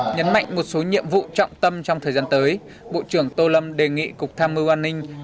nhấn mạnh một số nhiệm vụ trọng tâm trong thời gian tới bộ trưởng tô lâm đề nghị cục tham mưu an ninh